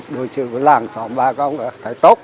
đổi trường của làng xóm bà con có thể tốt